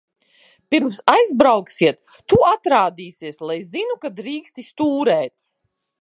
Pirms aizbrauksiet, tu atrādīsies, lai zinu, ka drīksti stūrēt.